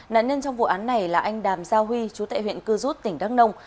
nạn nhân trong vụ án này là anh đàm giao huy chú tại huyện cư rút tỉnh đắk nông